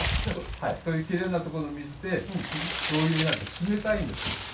そういうきれいなところの水で上流なので冷たいんですね。